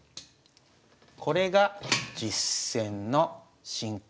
これが実戦の進行。